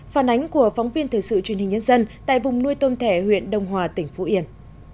phản ánh của phóng viên thời sự truyền hình nhân dân tại vùng nuôi tôm thẻ huyện đông hòa tỉnh phú yên